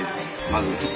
まず。